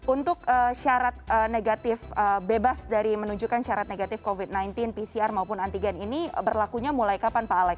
untuk syarat negatif bebas dari menunjukkan syarat negatif covid sembilan belas pcr maupun antigen ini berlakunya mulai kapan pak alex